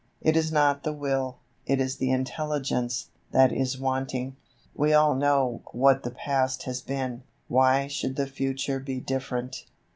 It is not the will, it is the intelligence, that is wanting. We all know what the past has been. Why should the future be different?